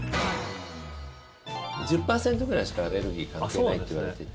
１０％くらいしかアレルギー関係ないっていわれていて。